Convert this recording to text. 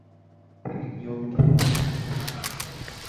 তিনি নিয়মিত কাজ পেতে থাকেন।